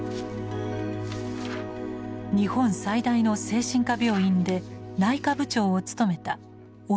日本最大の精神科病院で内科部長を務めた小野正博医師です。